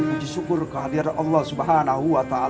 kuji syukur kehadir allah swt